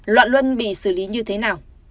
loạn luân bị xử lý như thế nào